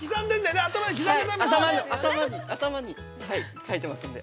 頭に刻んで◆頭に書いてますんで。